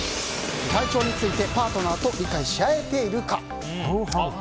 体調についてパートナーと理解し合えているか。